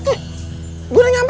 gue udah nyampe